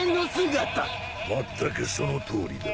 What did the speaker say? まったくそのとおりだ